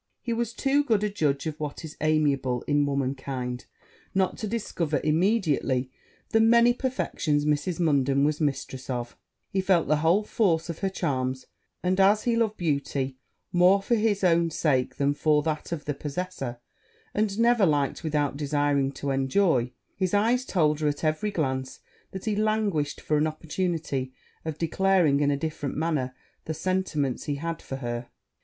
He was too good a judge of what is amiable in womankind, not to discover immediately the many perfections Mrs. Munden was mistress of: he felt the whole force of her charms; and as he loved beauty more for his own sake than for that of the possessor, and never liked without desiring to enjoy, his eyes told her, at every glance, that he languished for an opportunity of declaring in a different manner the sentiments he had for her.